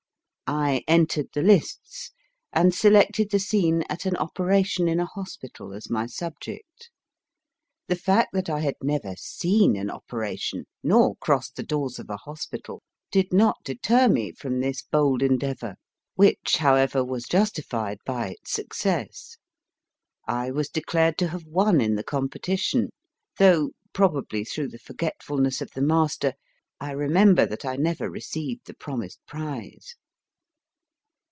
I entered the lists, and selected the scene at an operation in a hospital as my subject. The fact that I had never seen an operation, nor crossed the doors of a hospital, did not deter me from this bold endeavour, which, however, was justified by its success. I was declared to have won in the com petition, though, probably through the forgetfulness of the master, I remember that I never received the promised prize.